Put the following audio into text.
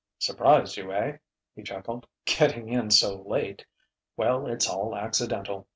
"Surprised you eh?" he chuckled "getting in so late. Well, it's all accidental.